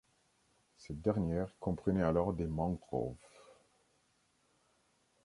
Cette dernière comprenait alors des mangroves.